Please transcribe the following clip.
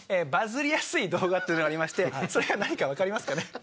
バズりやすい動画っていうのがありましてそれが何かわかりますかね？